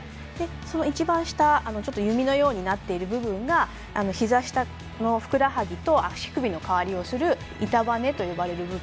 一番下弓のようになっている部分がひざ下の、ふくらはぎと足首の代わりをする板バネと呼ばれる部分。